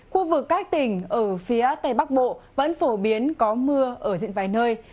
khu vực các tỉnh ở phía tây bắc bộ vẫn phổ biến có mưa ở diện vài nơi